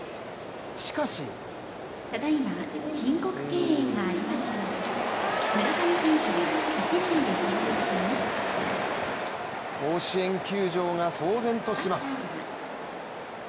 しかし甲子園球場が騒然とします。